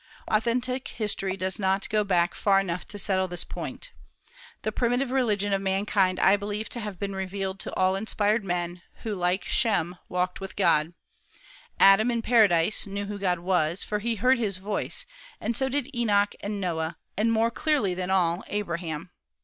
Authentic history does not go back far enough to settle this point. The primitive religion of mankind I believe to have been revealed to inspired men, who, like Shem, walked with God. Adam, in paradise, knew who God was, for he heard His voice; and so did Enoch and Noah, and, more clearly than all, Abraham.